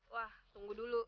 wah tunggu dulu